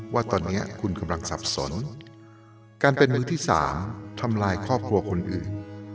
ว่าตอนนี้คุณกำลังสับสนการเป็นมือที่สามทำลายครอบครัวคนอื่น